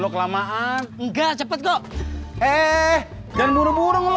tapi teh bapaknya lagi mandi